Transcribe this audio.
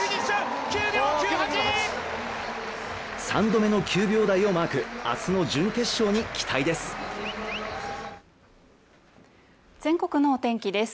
３度目の９秒台をマーク、明日の準決勝に期待です。